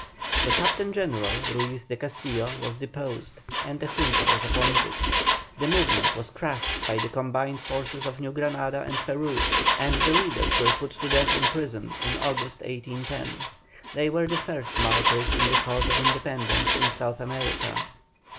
The Captain General, Ruiz de Castillo, was deposed, and a Junta was appointed. The movement was crushed by the combined forces of New Granada and Peru, and the leaders were put to death in prison in August, 1810. They were the first martyrs in the cause of independence in South America.